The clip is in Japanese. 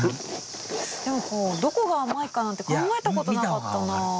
でもこうどこが甘いかなんて考えたことなかったな。